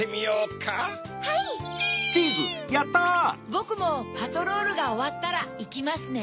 ぼくもパトロールがおわったらいきますね。